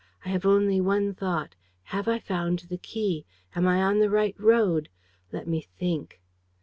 I have only one thought: have I found the key? Am I on the right road? Let me think.